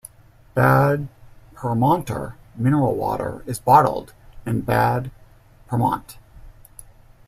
Bad Pyrmonter mineral water is bottled in Bad Pyrmont.